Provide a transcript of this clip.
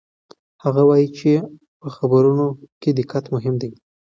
هغه وایي چې په خبرونو کې دقت مهم دی.